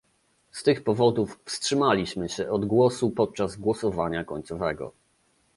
Z tych powodów wstrzymaliśmy się od głosu podczas głosowania końcowego